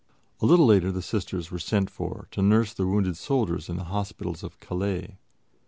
A little later the Sisters were sent for to nurse the wounded soldiers in the hospitals of Calais.